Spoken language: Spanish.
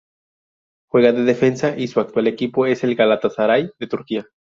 Juega de defensa y su actual equipo es el Galatasaray de Turquía.